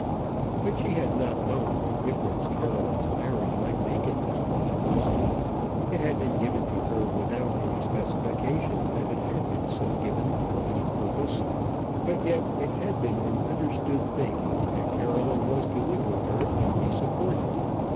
But she had not known what difference Caroline's marriage might make in this allowance. It had been given to herself without any specification that it had been so given for any purpose; but yet it had been an understood thing that Caroline was to live with her and be supported.